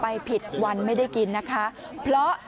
ไปผิดวันไม่ได้กินนะคะ